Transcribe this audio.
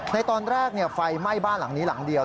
ในตอนแรกไฟไหม้บ้านหลังนี้หลังเดียว